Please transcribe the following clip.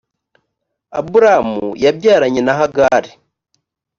aburamu yabyaranye na hagari .